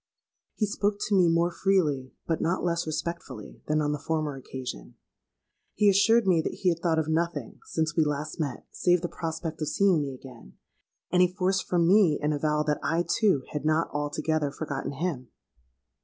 He spoke to me more freely, but not less respectfully, than on the former occasion. He assured me that he had thought of nothing, since we last met, save the prospect of seeing me again; and he forced from me an avowal that I too had not altogether forgotten him!